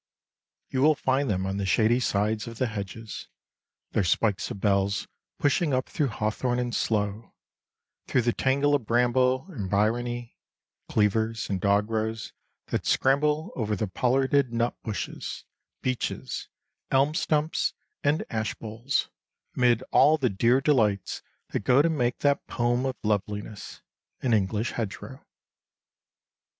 You will find them on the shady sides of the hedges, their spikes of bells pushing up through hawthorn and sloe, through the tangle of bramble and bryony, cleavers and dog rose that scramble over the pollarded nut bushes, beeches, elm stumps, and ash boles, amid all the dear delights that go to make that poem of loveliness—an English hedgerow.